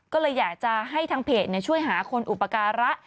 ก็เลยอยากจะให้ทางเพจช่วยหาคนอุปการะ